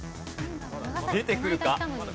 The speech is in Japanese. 出てくるか？